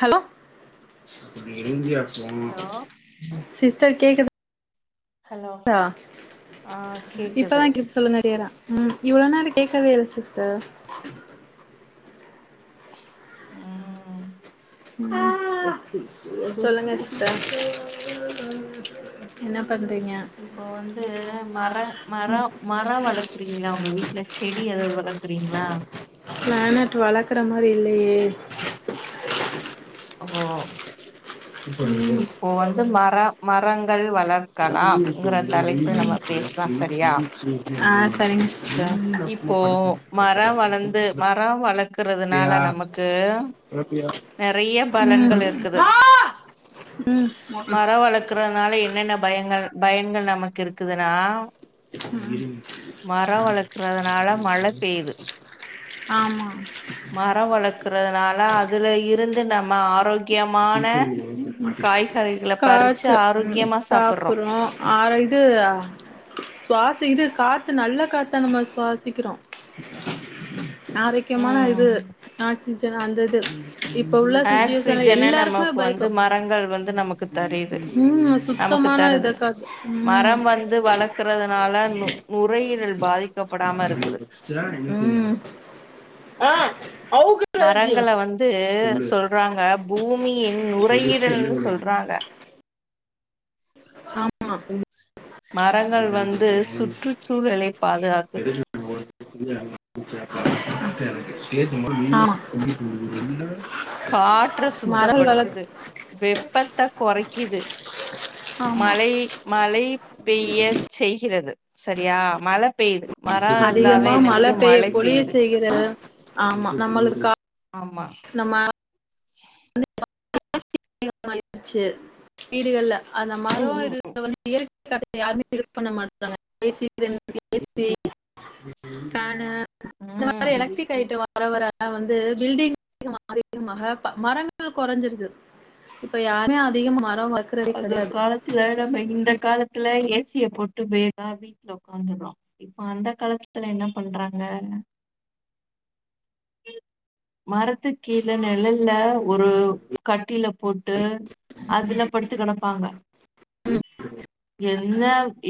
Hello hello sister கேக்கு hello க ஆ கேக்குது இப்பதான் கெ சொல்லு நறையறா உம் இவ்ளோ நேரம் கேட்கவேு த உம் ம் சொல்லுங்க சிஸ்டர் என்ன பண்றீங்க இப்போ வந்து மர மரோம் மரம் வளர்க்குறீங்களா உங்க வீட்டல செடி ஏதாது வளர்க்குறீங்களா பிளானட் வளர்க்கறனா மறில்லையே ஓ ம் இப்போ வந்து மரம் மரங்கள் வளர் இருக்கலாம்ங்கிற தலைப்பில் நம்ம பேசாலா சரியா ஆஹ் சரிங் இப்போ மர படுத்து வளந்து படுத்து மரம் வளப் இருக்கறதுனால கெடப்பியா நமக்கு கெடப்பியா நெறைய ம் பலன்கள் இருக்குது ம் மரம் வளர்க்கறதுனால என்னென்ன பயங்கள் பயங்கள் நமக்கு இருக்குதுன்னா மரம் வளர்க்கறதுனால மழை பெய்யுது ஆமா மரம் வளர்க்கறதுனால அதுல இருந்து நம்ம ஆரோக்கிய காய்ச்ச பறிச்சு உம் ஆரோக்கியமா சாப்புட்றோ சாப்பறோ ஆற இது சுவாச இது காத்து நல்லா க்கத்த நம்ம சுவாசிக்கிறோ [inaudible] ஆரோக்கியமான இது ம் ஆக்சிஜன் அந்த [unintelligible] இப்ப உள்ள சுச்சுவேஸன் ஆக்சிஜன எல்லா நமக்கு வந்து மரங்கள் வந்து நமக்கு தெரியுது ம் நமக்கு சுத்தமான இத தருது காத்து ம் மரம் வந்து வளர்க்கறதுனால நு நுரையீரல் பாதிப்பு ம் அவுக்குறதுக்கு மரங்கள வந்து சொல்லு சொல்றாங்க பூமியின் முடிச்சு நுரையீரல்னு சொல்றாங்க ஆமா மரங்கள் வந்து சுற்றுச்சூழலைப் பாதுகாக்குது உம்ம் காற்ற மரல் வளக் சுத்தப்படுத்துது வெப்பத்த கொறைக்குது ஆமா மலை மலை பெய்ய செய்கிறது சரியா மல பெய்யுது மரோ இருந்தாதா அதிகமா மல என்னங்குது பெய்ய மழை பொழிய பெய்யுது செய்கிறது ஆமா நம்மளுக்கா ஆமா ஆயிடுச்சு வீடுகள்ல அந்த மரோ ம் இது வந்து இயற்கை காத்த யாருமே யூஸ் பண்ண மாட்றாங்க [unintelligible] இந்த மாரி ம் எலக்ட்ரிக் ஐட்டம் வாங் வறவர வந்து பில்டிங் அதிகமாகி வர மரங்கள் கொறஞ்சிருது இப்ப யாரையோ அதிகமா மர அந்த காலத்துல நம்ம இந்த இப் காலத்துல ஏசிய போட்டு வேகா வீட்ல ஒக்காந்துறோ இப்ப அந்த காலத்துல என்ன பண்றாங்க மரத் த்து கீழே நிழல்ல ஒரு கட்டில போட்டு அதுல படுத்து கெடப்பாங்க என்ன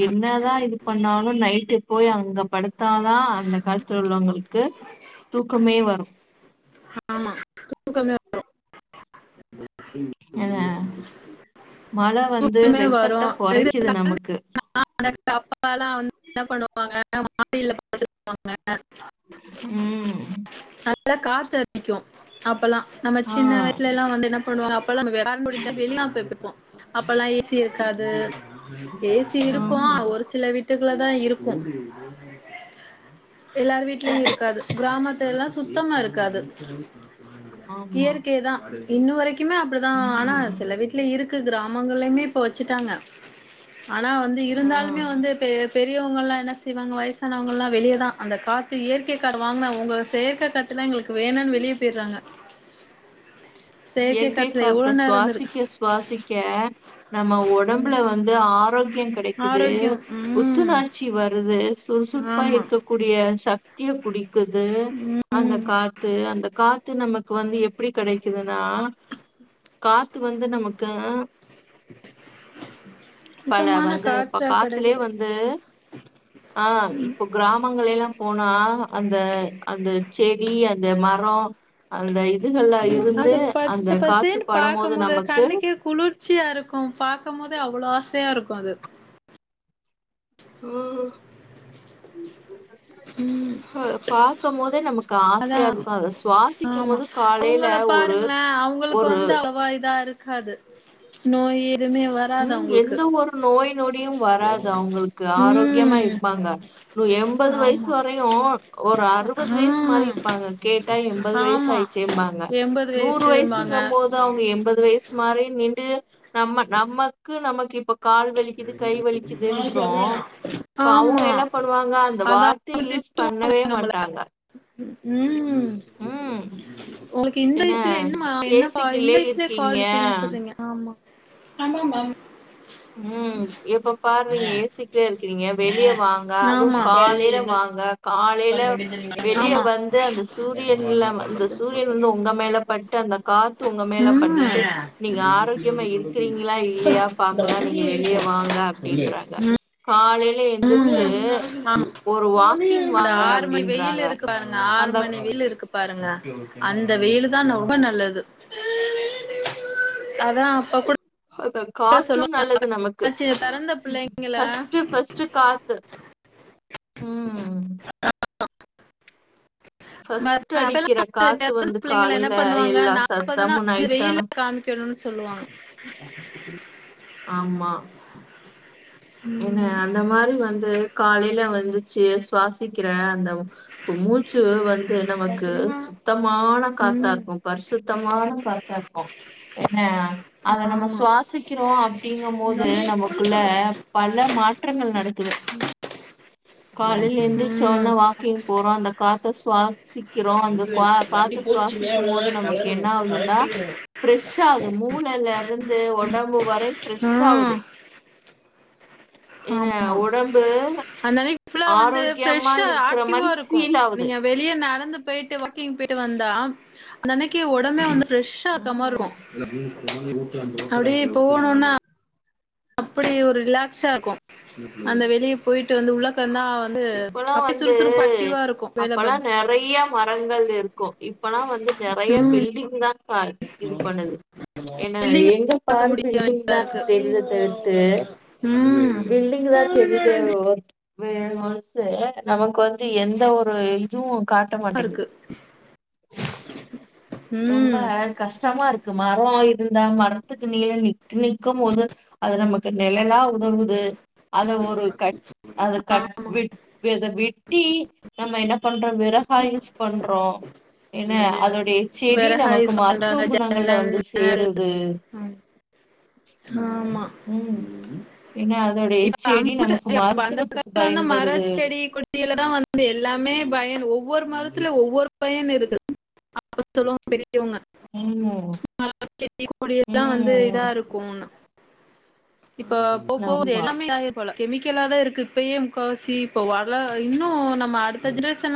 என்னதா இது பண்ணாலோ நைட்டு போய் அங்க படுத்தாதா அந்த காலத்துல உள்ளவுங்குளுக்கு தூக்கமே வரோ ஆமா தூக்கமே வரோ ஏங்க மழ வந்து தூக்கமே வெப்பத்த கொறைக்குது நமக்கு அக்கு அப்பல்லா வந்து என்ன பண்ணுவாங்க மாடில படுப்பாங்க ம் நல்லா காத்து அடிக்கோ அப்பல்லா நம்ம ஆ சின்ன வயசுலலா வந்து என்ன பண்ணுவாங்க அப்பல்லா நம்ம ஃபேன் இருக்காது வெளில போய் படுப்போ அப்பல்லா ஏ சி இருக்காது ஏ சி இருக்கும் ஆமா ஒரு சில வீட்டுக்குல தான் இருக்கும் [unintelligible] எல்லார் வீட்லயேயும் இருக்காது கிராமத்தில எல்லாம் சுத்தமா இருக்காது. ஆமா இயற்கையே தா இன்னுவரை ங்கிமே அப்டிதா ஆனா ம் சில வீட்ல இருக்கு கிராமங்கள்லைமே இப்ப வெச்சிட்டாங்க ஆனா வந்து இருந்தாலுமே ஆ வந்து இப்ப பெரியவங்கல்லா என்ன செய்வாங்க வயசானவங்கல்லா வெளியதா அந்த கா க்கு இயற்கைக்காடு வாங்குனா உங்க செயற்க காத்துல்ல எங்குளுக்கு வேணான் வெளிய போயிறாங்க. இயற்கை காத்த நேரோ இருந்திருக்கு சுவாசிக்க சுவாசிக்க நம்ம ஒடம்புல வந்து ஆரோக் [unintelligible] கெடைக்குது ஆரோக்கியோ ம் புத்துணார்ச்சி வருது சுறுசுறுப்பா ஆமா இருக்ககூடிய சத்திய குடி க்குது அந்த ம் காத்து அந்த கா த்து நமக்கு வந்து எப்பிடி கெடை கிதுனா காத்து வந்து நமக்கு பல சுத்தமான வந்து இப்ப காற்றா காத்துலேயே கெடைக்குது வந்து அ இப்ப கிராமங்களை எல்லா போனா அந்த அந்த செடி அந்த மரோ அந்த இது நல்லாயிர் அத பச்ச பசேன் பாக்கும்மோது அது கண்ணுக்கே குளிர்ச்சியா இருக்கு பாக்கும்மோதே அவ்ளோ ஆசையா இருக்கு ப்பாது ம் அ அ பாக்க போதே நமக்கு அதா ஆசயாருக்கு அத சுவாசிக்கு ஆமா போது காலைல அவங்கள ஒரு பாருங்களே ஒரு அது நோயி உம் எந்த ஒரு நோய் நொடியும் வராது அவுங்களுக்கு ஆரோக்கியமா ம் இருப்பாங்க எம்பது வயசு ஆமா வரயும் ஒரு அறுபது ஆ வயசு மாரி இருப்பாங்க கேட்டா எம்பது வயசு ஆமா ஆயிடுசும்பாங்க எம்பது நூறு வயசும்பாங்க வயசுங்கும் போது அவங்க எம்பது வயசு மாரி நிண்டு நம்ம நமக்கு நமக்கு இப்ப கால் வலிக்குது கை வலிக்குதுன்றோம் இப்ப அவுங்க ஆமா என்ன பண்ணுவாங்க அந்த அதா வார்த்தய அவங்க யூஸ் திட்டுவாங்க பண்ணவே நம்மள மாட்டாங்க ம் உம் உங்களுக்கு இந்த வயசுல என்னமா என்னப்பா இந்த வயசுலயே இருக்கீங்க கால்வலிக்குதுன்னு சொல்றீங்க ஆமா ண்டுவாங்க ம் எப்ப பாரு ஏசிக்குலே இருக்கிறீங்க வெளியே வாங்க அதுவும் ஆமா காலைல வாங்க காலைல வெளிய ஆமா வந்து அந்த சூரியன்ல வந்தந்த சூரியன் வந்து உங்க மேல பட்டு அந்த காத்து உங்க மேல ம் பட்டு நீங்க ஆரோக்கியமா இருக்கிறீங்களா இல்லையா நீங்க வெளியே வாங்க அப்படின்றாங்க காலைல உம் ஆம் அந்த வாங்க ஆறு மணி வெயில் அப்டின்றாங்க இருக்கு பாருங்க ஆறு அந்த மணி வெயில் இருக்கு பாருங்க அந்த வெயிலுதான் ரொம்ப நல்லது அதான் அப்ப கூட அந்த காத்தும் சொல்லுவாங்க நல்லது நமக்கு பெறந்த பிள்ளைங்கள ஃபஸ்டு ஃபஸ்டு காத்து உம் [unintelligible] அடிக்கிற காத்து பெறந்த வந்து பிள்ளைங்கள என்ன காலையில பண்ணுவாங்க எல்லா நாப்பது சத்தமு நாள் நைட் வெயில ஆனா காமிக்கணுனு சொல்லுவாங்க ஆமா என்ன ம் அந்த மாரி வந்து காலைல வந்துச்சு சுவாசிக்கிற அந்த மூச்சு வந்து நமக்கு சுத்தமான காத்தா ம் இருக்கும் பரிசுத்தமான காத் தருக்கும் என்ன அத நம்ம ஆமா சுவாசிக்கிறோ அப்படிங்கும்போது நமக்குள்ள பல்ல மாற்றங்கள் நடக்குது காலைல எந்திரிசோன ம் வாக்கிங் போ புறம் அந்த காத்த ஸ்வா சிக்கிறோம் அந்த வண்டி வ க்வா வண்டி காத்த போச்சு மேல சுவாசிக்கும் அவ்வளோதா போது நமக்கு கலருமு என்ன ஆவுதுன்னா கலட்டிடுமு பிரெஷ்ஷா ஆகு மூளலருந் இது ஒடம்பு வரை ஃப்ரெஷ் ஆ ஆவுது ஆமா அந்தானிக்கு ஃபுல்லா வந்து ஆரோக்கியமா ஃப்ரெஷ்ஷா இருக்கிற ஆக்டிவா மாரி இருக்கும் ஃபீல் ஆகுது நீங்க வெளிய நடந்து பெயிட்டு வாக்கிங் பெயிட்டு வந்தா அந்த அன்னிக்கே உடம்பே வந்து ஃப்ரெஷ்ஷா இருக்க ம் மாருக்கும் அப்டியே போணுனா அப்படி ஒரு ரிலாக்ஸா இருக்கும் அந்த வெளிய போயிட்டு வந்து உள்ளக்கந்தா வந்து இப்பல்லாம் அப்டி வந்து சுறுசுறுப்பு ஆக்டிவா இருக்கு வேல பாக் அப்பல்லாம் நெறைய மரங்கள் இருக்கும் இப்பல்லாம் வந்து நெறைய பில்டிங் தா பார் இது பண்ணுது ஏன்னா பில்டிங் எங்க பாக்க பாரு முடிய பில்டிங் வேண்டியதா தா இருக்கு தெரிதே தவிர்த்து ம் பில்டிங் தா தெரிதே வேறு ஒன்சூ நமக்கு வந்து எந்த ஒரு இதுவும் காட்ட இருக்கு மாட்டேங்குது ரொம்ப ம் கஷ்டமா இருக்கு மரம் இருந்தா மரத்துக்கு நீல நிக் நிக்கும் போது அது நமக்கு நிலலா உதவுது அத ஒரு கட் அத கட் விட் அத வெட்டி நம்ம என்ன பண்றோம் விறகாய் யூஸ் பண்றோம் என்ன அதோடைய செடி விறகா நமக்கு யூஸ் மருத்துவ பண்றாங்க குணங்கள்ல ஜன்னல் வந்து நிழல் சேருது ஆமா ம் ஏன்னா அதோடைய இப்ப செடி நமக்கு மருத்துவத்துக்கு [unintelligible] மர பயன்படுது செடி கொடிலா வந்து எல்லாமே பயன் ஒவ்வொரு மர த்துல ஒவ்வொரு பயன் இருக் கு [unintelligible] இவுங்க ம் [unintelligible] செடி கொடிலாம் வந்து ம் இதா இருக்கும்ணு இப்ப போ போவ ஆமா எல்லாமே போல கெமிக்கலா தான் இருக்கு இப்பயே முக்காவாசி இப்ப வள இன்னும் நம்ம அடுத்த ஜெரேஷனா